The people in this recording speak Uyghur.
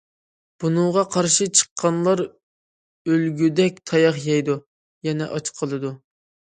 بۇنىڭغا قارشى چىققانلار ئۆلگۈدەك تاياق يەيدۇ، يەنە ئاچ قالىدۇ.